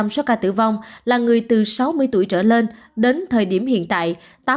năm mươi số ca tử vong là người từ sáu mươi tuổi trở lên đến thời điểm hiện tại